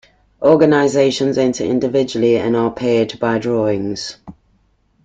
Organizations enter individually and are paired by drawings.